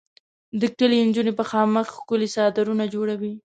د کلي انجونې په خامک ښکلي څادرونه جوړوي.